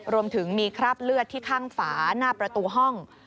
รวมถึงมีคราบเลือดที่ข้างฝาหน้าประตูห้อง